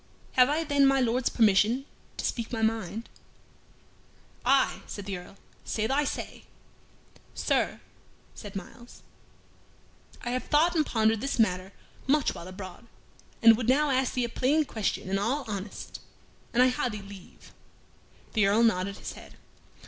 "Have I then my Lord's permission to speak my mind?" "Aye," said the Earl, "say thy say." "Sir," said Myles, "I have thought and pondered this matter much while abroad, and would now ask thee a plain question in all honest an I ha' thy leave." The Earl nodded his head.